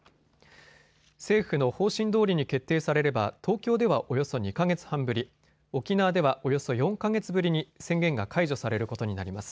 政府の方針どおりに決定されれば東京ではおよそ２か月半ぶり、沖縄ではおよそ４か月ぶりに宣言が解除されることになります。